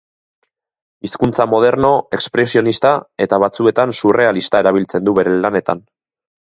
Hizkuntza moderno, expresionista eta batzuetan surrealista erabiltzen du bere lanetan.